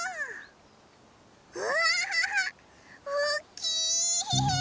うわおっきい！